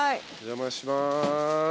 お邪魔します。